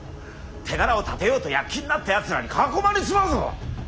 手柄を立てようと躍起になったやつらに囲まれちまうぞ。